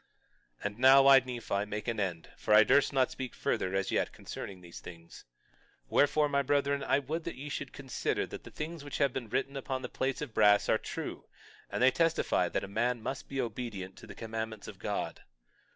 22:29 And now I, Nephi, make an end; for I durst not speak further as yet concerning these things. 22:30 Wherefore, my brethren, I would that ye should consider that the things which have been written upon the plates of brass are true; and they testify that a man must be obedient to the commandments of God.